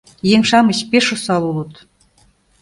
Еҥ-шамыч пеш осал улыт...